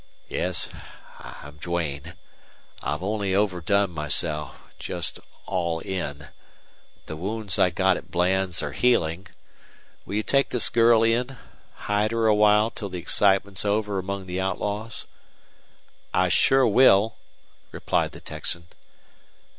"Yes, I'm Duane. I've only overdone myself just all in. The wounds I got at Bland's are healing. Will you take this girl in hide her awhile till the excitement's over among the outlaws?" "I shore will," replied the Texan.